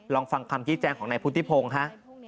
ลองฟังคำที่แจ้งของในพุทธิพงฮะ